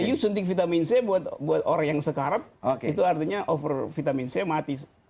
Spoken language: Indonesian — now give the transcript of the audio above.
anda suntik vitamin c untuk orang yang sekarat itu artinya vitamin c mati